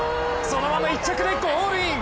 そのまま１着でゴールイン！